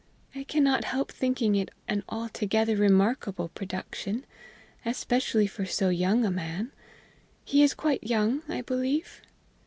I cannot help thinking it an altogether remarkable production, especially for so young a man. He is quite young, I believe?"